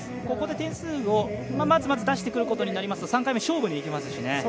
ここで点数をまずまず出してくることになりますと３回目勝負にいけますしね。